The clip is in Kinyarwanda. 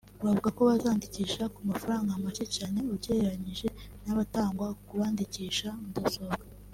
bavuga ko bazandikisha ku mafaranga make cyane ugereranyije n’atangwa ku bandikisha mudasobwa